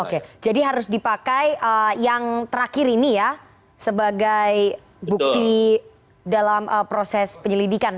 oke jadi harus dipakai yang terakhir ini ya sebagai bukti dalam proses penyelidikan